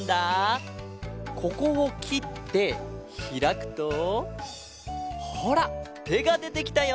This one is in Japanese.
ここをきってひらくとほらてがでてきたよ！